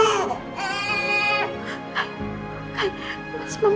untuk bisa lewatin ini semua